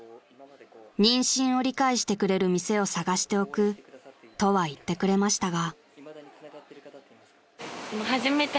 ［妊娠を理解してくれる店を探しておくとは言ってくれましたが］